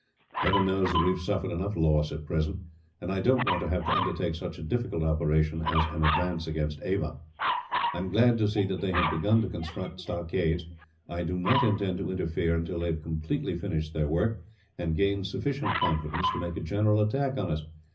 "Heaven knows that we have suffered enough loss, at present; and I don't want to have to undertake such a difficult operation as an advance against Ava. I am glad to see that they have begun to construct stockades. I do not intend to interfere until they have completely finished their work, and gained sufficient confidence to make a general attack on us.